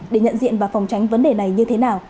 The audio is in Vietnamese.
để nhận diện và phòng tránh vấn đề này như thế nào